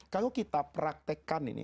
kalau kita praktekkan ini